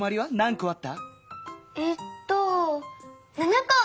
えっと７こ！